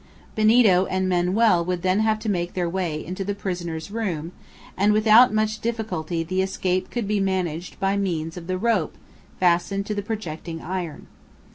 Benito and Manoel would then have to make their way into the prisoner's room, and without much difficulty the escape could be managed by means of the rope fastened to the projecting iron.